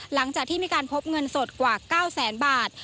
หลังจากที่มีการพบเงินสดกว่า๙แสนบาท